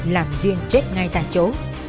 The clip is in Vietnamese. làm duyên chết ngay tại chỗ